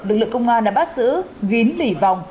lực lượng công an đã bắt giữ gín lỉ vòng